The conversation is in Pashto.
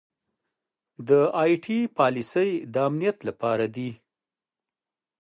دا ائ ټي پالیسۍ د امنیت لپاره دي.